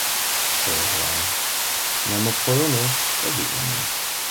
sagde hørren, man må prøve noget, så ved man noget!